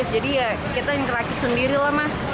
jadi ya kita yang meracik sendiri lah mas